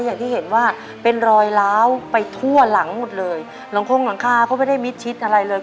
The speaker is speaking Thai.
อย่างที่เห็นว่าเป็นรอยล้าวไปทั่วหลังหมดเลยหลังคงหลังคาก็ไม่ได้มิดชิดอะไรเลย